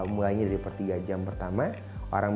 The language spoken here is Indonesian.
mulainya dari per tiga jam pertama